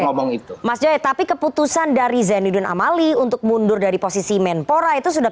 ngomong itu mas joy tapi keputusan dari zainuddin amali untuk mundur dari posisi menpora itu sudah